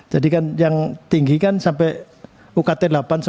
jadi kan yang tinggi kan sampai ukt delapan sembilan